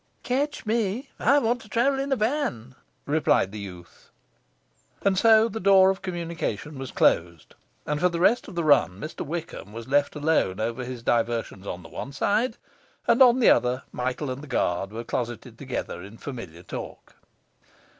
'Catch me I want to travel in a van,' replied the youth. And so the door of communication was closed; and for the rest of the run Mr Wickham was left alone over his diversions on the one side, and on the other Michael and the guard were closeted together in familiar talk.